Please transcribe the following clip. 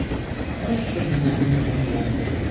Краще було гинути дома.